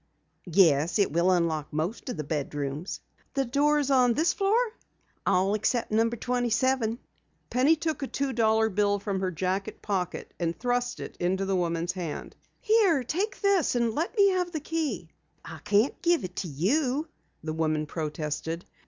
"Yes, it will unlock most of the bedrooms." "The doors on this floor?" "All except number 27." Penny took a two dollar bill from her jacket pocket and thrust it into the woman's hand. "Here, take this, and let me have the key." "I can't give it to you," the woman protested.